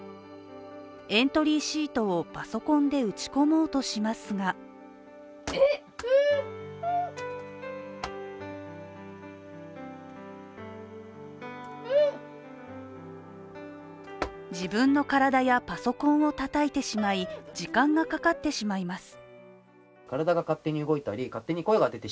エントリーシートをパソコンで打ち込もうとしますが自分の体やパソコンをたたいてしまい時間がかかってしまいます。